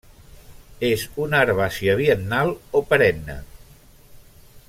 És una herbàcia biennal o perenne.